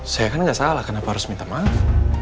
saya kan nggak salah kenapa harus minta maaf